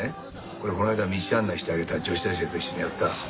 これこの間道案内してあげた女子大生と一緒にやったタコパ。